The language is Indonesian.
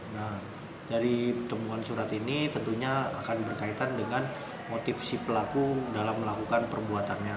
nah dari temuan surat ini tentunya akan berkaitan dengan motif si pelaku dalam melakukan perbuatannya